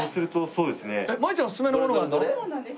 そうなんです。